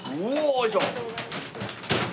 よいしょ！